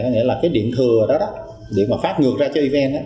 có nghĩa là điện thừa đó điện mà phát ngược ra cho evn